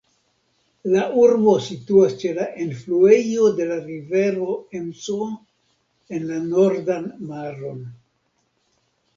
La urbo situas ĉe la enfluejo de la rivero Emso en la Nordan Maron.